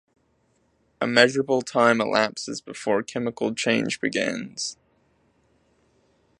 A measurable time elapses before chemical change begins.